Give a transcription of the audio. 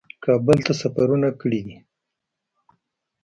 کابل ته سفرونه کړي